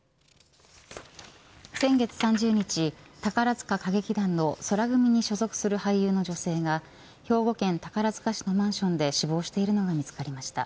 先月３０日、宝塚歌劇団の宙組に所属する俳優の女性が兵庫県宝塚市のマンションで死亡しているのが見つかりました。